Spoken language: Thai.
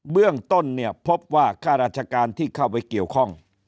เบื้องต้นเนี่ยพบว่าค่าราชการที่เข้าไปเกี่ยวข้อง